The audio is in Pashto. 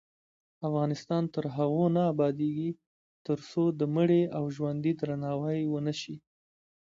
افغانستان تر هغو نه ابادیږي، ترڅو د مړي او ژوندي درناوی ونشي.